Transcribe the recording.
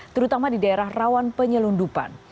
terutama di daerah rawan penyelundupan